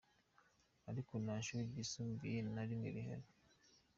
Ariko nta shuri ryisumbuye na rimwe rihari.